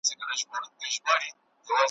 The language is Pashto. ساقی تږی دپیالو یم